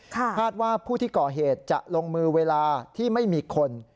คาดว่าผู้ที่ก่อเหตุจะลงมือเวลาที่ไม่มีคน